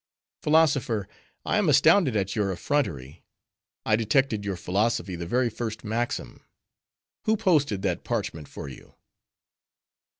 "Philosopher! I am astounded at your effrontery. I detected your philosophy the very first maxim. Who posted that parchment for you?"